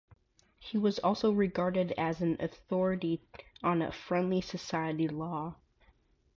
He was also regarded as ‘an authority on Friendly Society law.